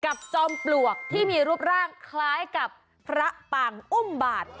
จอมปลวกที่มีรูปร่างคล้ายกับพระปางอุ้มบาท